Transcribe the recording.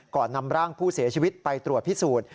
ก่อนนำร่างผู้เสียชีวิตไปตรวจพิสูจน์